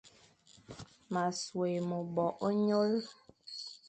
Ma sôghé mebor e nyôl,